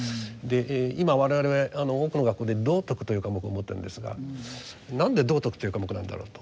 今我々多くの学校で「道徳」という科目を持っているんですが何で道徳という科目なんだろうと。